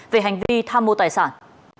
về hành vi tham mô tài sản